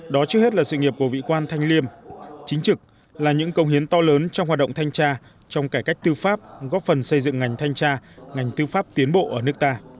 đó trước hết là sự nghiệp của vị quan thanh liêm chính trực là những công hiến to lớn trong hoạt động thanh tra trong cải cách tư pháp góp phần xây dựng ngành thanh tra ngành tư pháp tiến bộ ở nước ta